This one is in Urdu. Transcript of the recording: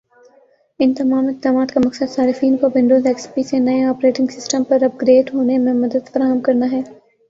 ان تمام اقدامات کا مقصد صارفین کو ونڈوز ایکس پی سے نئے آپریٹنگ سسٹم پر اپ گریڈ ہونے میں مدد فراہم کرنا ہے